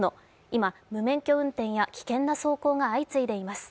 今、無免許運転や危険な走行が相次いでいます。